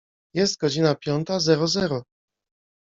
Jest godzina piąta zero zero.